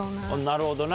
なるほどな。